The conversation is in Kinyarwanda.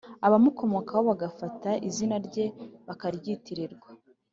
abamukomokaho bagafata izina rye bakaryitirirwa